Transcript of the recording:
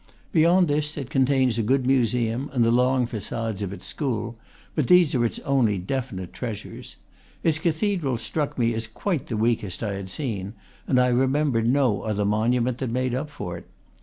Beyond this it contains a good museum and the long facades of its school, but these are its only de finite treasures. Its cathedral struck me as quite the weakest I had seen, and I remember no other monu ment that made up for it.